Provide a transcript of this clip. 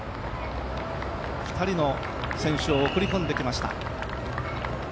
２人の選手を送り込んできました。